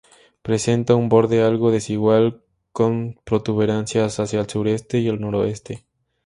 Presenta un borde algo desigual, con protuberancias hacia el sureste y el noreste.